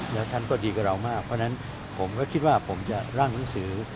แล้วท่านก็ดีกับเรามากเพราะฉะนั้นผมก็คิดว่าผมจะร่างหนังสือ